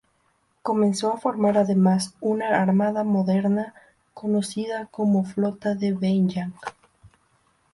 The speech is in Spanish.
Comenzó a formar además una armada moderna, conocida como flota de Beiyang.